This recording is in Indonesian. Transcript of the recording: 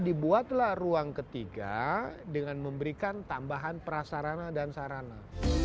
dibuatlah ruang ketiga dengan memberikan tambahan prasarana dan sarana